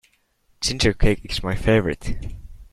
Ginger cake is my favourite.